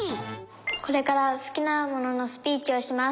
「これから好きなもののスピーチをします。